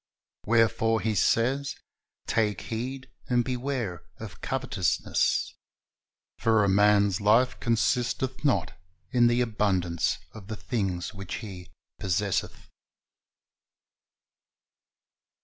"^ Wherefore He says, "Take heed, and beware of covet ousness; for a man's life consisteth not in the abundance of the things which he possesseth."